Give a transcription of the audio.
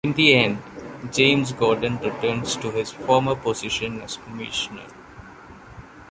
In the end, James Gordon returns to his former position as commissioner.